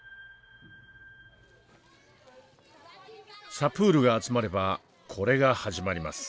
サプールが集まればこれが始まります。